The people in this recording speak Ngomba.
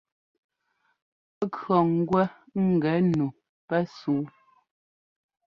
Pɛ́ kʉ̈ɔ ŋ́gwɛ ŋ́gɛ nu pɛsúu...